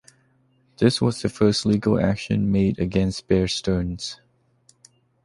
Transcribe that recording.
This was the first legal action made against Bear Stearns.